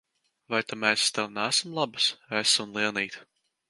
Vai ta mēs tev neesam labas, es un Lienīte?